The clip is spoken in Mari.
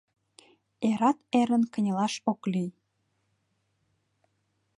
Эрат эрын кынелаш ок лий.